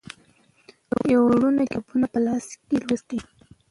یوه روڼه کتابونه په کلاسه کې لوستي.